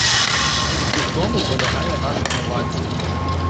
У тому полягає наша новація.